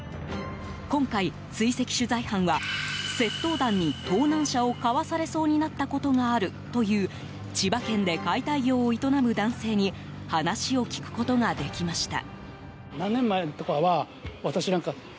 今回、追跡取材班は窃盗団に盗難車を買わされそうになったことがあるという千葉県で解体業を営む男性に話を聞くことができました。